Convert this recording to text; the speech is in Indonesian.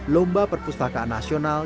lomba perpustakaan nasional